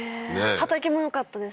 畑もよかったです